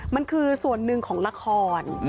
มันคือส่วนหนึ่งของละคร